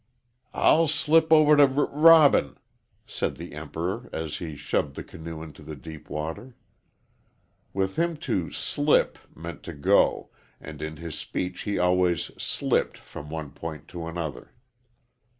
"I'll slip over to R Robin," said the Emperor as he shoved the canoe into deep water. With him to "slip" meant to go, and in his speech he always "slipped" from one point to another.